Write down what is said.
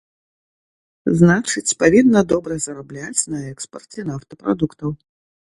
Значыць, павінна добра зарабляць на экспарце нафтапрадуктаў.